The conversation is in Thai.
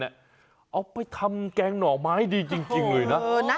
เอาไปทำแกงหน่อไม้ดีจริงเลยนะ